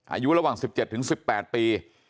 อายุระหว่าง๑๗๑๘ปี